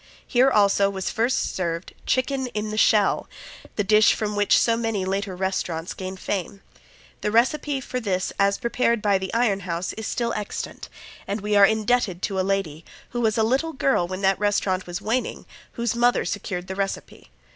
Here, also, was first served Chicken in the Shell, the dish from which so many later restaurants gained fame. The recipe for this as prepared by the Iron House is still extant, and we are indebted to a lady, who was a little girl when that restaurant was waning, whose mother secured the recipe.